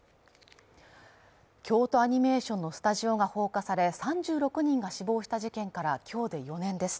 京都アニメーションのスタジオが放火され３６人が死亡した事件から今日で４年です。